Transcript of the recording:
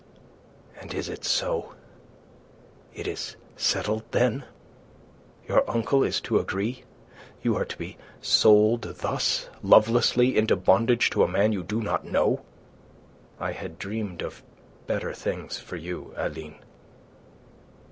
"And is it so? It is settled, then? Your uncle is to agree? You are to be sold thus, lovelessly, into bondage to a man you do not know. I had dreamed of better things for you, Aline."